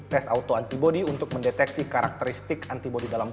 tes autoantibody untuk mendeteksi karakteristik antibody dalam tubuh